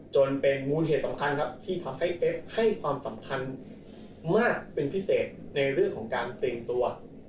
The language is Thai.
จนเป็นมูลเหตุสำคัญครับที่ทำให้เป๊กให้ความสำคัญมากเป็นพิเศษในเรื่องของการเตรียมตัว